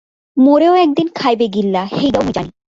মোরেও একদিন খাইবে গিল্লা হেইডাও মুই জানি।